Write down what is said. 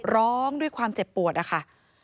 ร้องด้วยความเจ็บปวดนะคะ